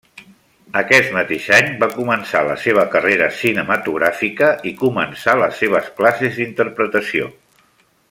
Aquest mateix any va començar la seva carrera cinematogràfica i començà les seves classes d'interpretació.